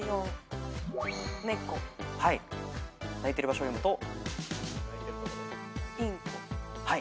鳴いてる場所を読むと？